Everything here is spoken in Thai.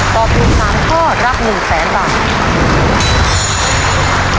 ตอบถูก๓ข้อรับ๑แสนบาท